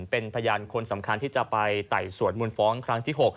เป็นพยานคนสำคัญที่จะไปไต่สวนมูลฟ้องครั้งที่๖